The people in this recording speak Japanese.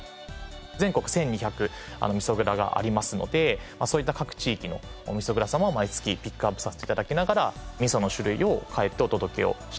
全国１２００の味噌蔵がありますのでそういった各地域の味噌蔵様を毎月ピックアップさせて頂きながら味噌の種類を変えてお届けをしてます。